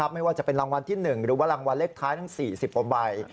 ไม่ว่าจะเป็นรางวัลที่๑หรือว่ารางวัลเล็กท้าย๔๐บาท